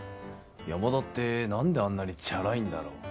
山田ってなんであんなにチャラいんだろう？